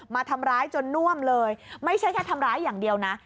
มาทำร้ายจนน่วมเลยไม่ใช่แค่ทำร้ายอย่างเดียวนะ